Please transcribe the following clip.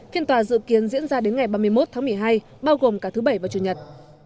phiên tòa dự kiến diễn ra đến ngày ba mươi một tháng một mươi hai bao gồm cả thứ bảy và chủ nhật